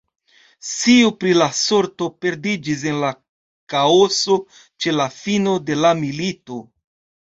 Scio pri la sorto perdiĝis en la kaoso ĉe la fino de la milito.